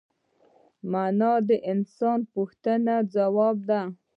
مانا د انسان د پوښتنې ځواب دی.